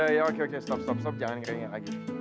ya udah ya oke oke stop stop stop jangan keringin lagi